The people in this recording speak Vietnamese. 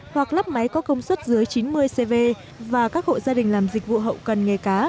hoặc lắp máy có công suất dưới chín mươi cv và các hộ gia đình làm dịch vụ hậu cần nghề cá